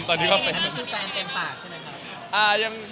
อันนี้คือแฟนเต็มปากใช่ไหมครับ